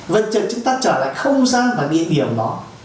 vẫn chờ chúng ta trở lại không gian và điểm đó